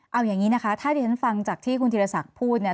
เอาอย่างนี้นะคะถ้าที่ฉันฟังจากที่คุณธีรศักดิ์พูดเนี่ย